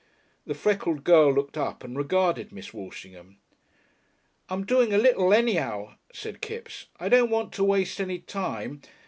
The freckled girl looked up and regarded Miss Walshingham. "I'm doing a little, anyhow," said Kipps. "I don't want to waste any time.